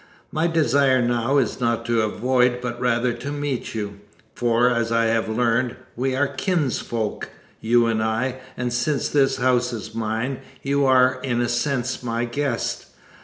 My desire now is not to avoid, but rather to meet you. For, as I have learned, we are kinsfolk, you and I; and since this house is mine, you are in a sense my guest.